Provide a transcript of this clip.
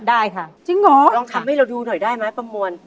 ได้ค่ะลองทำให้เราดูหน่อยได้ไหมประมวลจริงขหรอ